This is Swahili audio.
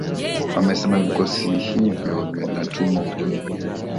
Wamesema vikosi hivyo vinatuma ujumbe